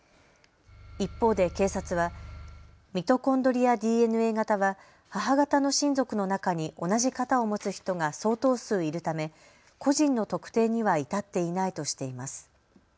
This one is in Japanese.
一方で警察はミトコンドリアＤＮＡ型は母方の親族の中に同じ型を持つ人が相当数いるため個人の特定には至っていないとしています。